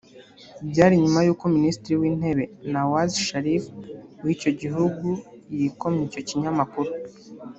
Byari nyuma y’uko Minisitiri w’Intebe Nawaz Sharif w’icyo gihugu yikomye icyo kinyamakuru